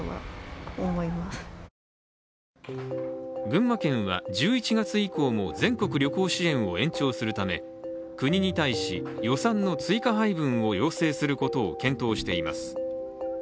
群馬県は１１月以降も全国旅行支援を延長するため国に対し、予算の追加配分を要請することを検討しています。